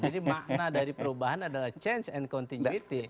jadi makna dari perubahan adalah change and continuity